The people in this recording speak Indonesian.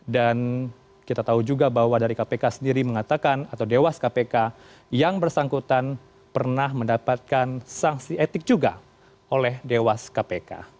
dan kita tahu juga bahwa dari kpk sendiri mengatakan atau dewas kpk yang bersangkutan pernah mendapatkan sanksi etik juga oleh dewas kpk